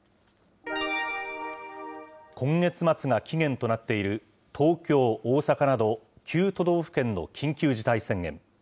今月末が期限となっている東京、大阪など、９都道府県の緊急事態宣言。